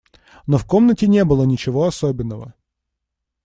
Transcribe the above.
Но в комнате не было ничего особенного.